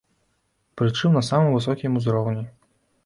Прычым на самым высокім узроўні.